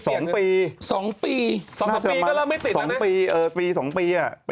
สองปีสองปีสองปีก็เราก็ไม่ติดแล้วนะสองปีเออปีสองปีอ่ะ